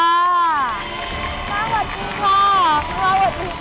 สวัสดีค่ะ